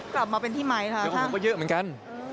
กลับมาเป็นที่ไมค์ค่ะถ้าเดี๋ยวผมก็เยอะเหมือนกัน